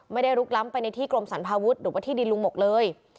ลุกล้ำไปในที่กรมสรรพาวุฒิหรือว่าที่ดินลุงหมกเลย